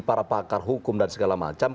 para pakar hukum dan segala macam